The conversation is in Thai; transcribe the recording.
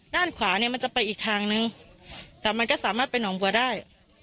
ด้านขวาเนี่ยมันจะไปอีกทางนึงแต่มันก็สามารถไปหนองบัวได้